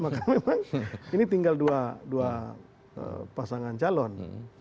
maka memang ini tinggal dua pasangan calon